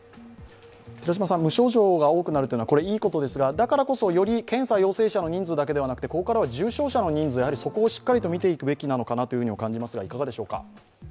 無症状が多くなるというのはいいことですがだからこそより検査陽性者の人数だけではなくて重症者の人数をしっかり見ていくべきと感じますが、いかがですか？